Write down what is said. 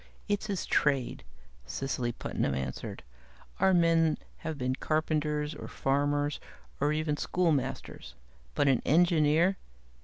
"It's his trade," Cecily Putnam answered. "Our men have been carpenters, or farmers, or even schoolmasters. But an engineer.